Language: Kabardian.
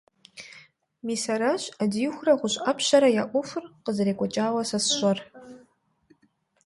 Мис аращ Ӏэдиихурэ ГъущӀ Ӏэпщэрэ я Ӏуэхур къызэрекӀуэкӀауэ сэ сщӀэр.